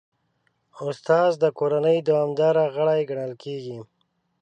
استاد د کورنۍ دوامدار غړی ګڼل کېږي.